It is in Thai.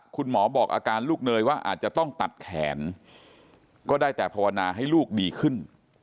บอกอาการลูกเนยว่าอาจจะต้องตัดแขนก็ได้แต่ภาวนาให้ลูกดีขึ้น